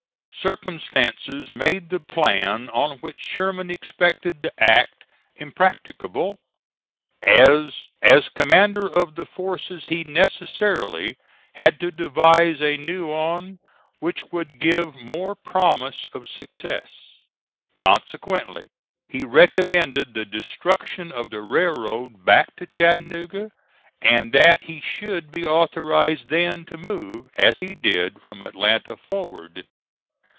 Circumstances made the plan on which Sherman expected to act impracticable, as as commander of the forces he necessarily had to devise a new on which would give more promise of success: consequently he recommended the destruction of the railroad back to Chattanooga, and that he should be authorized then to move, as he did, from Atlanta forward.